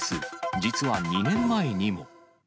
実は２年前にも。